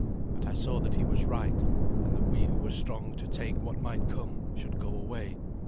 But I saw that he was right, and that we who were strong to take what might come should go away.